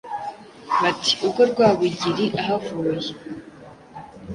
Bati "ubwo Rwabugili ahavuye